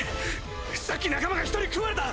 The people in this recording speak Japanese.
さっき仲間が１人食われた！